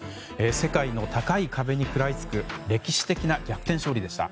世界の高い壁に食らいつく歴史的な逆転勝利でした。